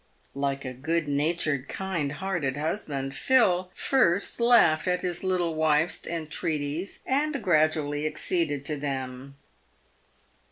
Like a good natured, kind hearted husband, Phil first laughed at his little wife's entreaties, and gradually acceded to them.